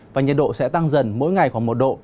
và nhiệt độ sẽ tăng dần mỗi ngày khoảng một độ